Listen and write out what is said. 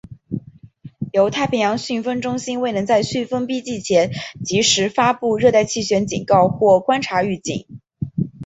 中太平洋飓风中心未能在飓风逼近前及时发布热带气旋警告或观察预警。